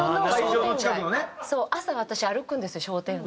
朝私歩くんですよ商店街。